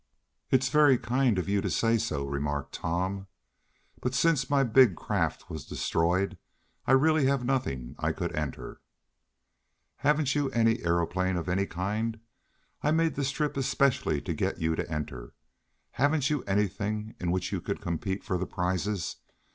"It's very kind of you to say so," remarked Tom, "but since my big craft was destroyed I really have nothing I could enter." "Haven't you an aeroplane of any kind? I made this trip especially to get you to enter. Haven't you anything in which you could compete for the prizes?